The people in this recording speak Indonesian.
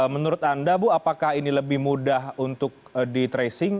menurut anda bu apakah ini lebih mudah untuk di tracing